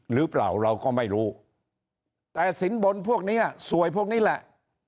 หรือเปล่าเราก็ไม่รู้แต่สินบนพวกนี้สวยพวกนี้แหละ